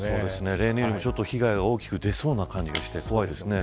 例年よりも、被害が大きく出そうな感じがして怖いですね。